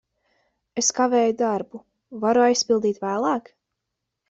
Es kavēju darbu. Varu aizpildīt vēlāk?